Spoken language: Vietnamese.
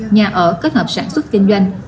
nhà ở kết hợp sản xuất kinh doanh